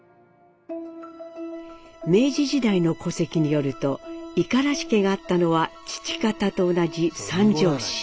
明治時代の戸籍によると五十嵐家があったのは父方と同じ三条市。